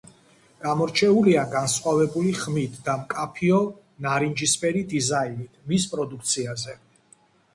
გამორჩეულია განსხვავებული ხმით და მკაფიო ნარინჯისფერი დიზაინით მის პროდუქციაზე.